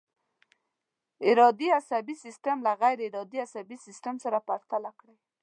ارادي عصبي سیستم له غیر ارادي عصبي سیستم سره پرتله کړئ.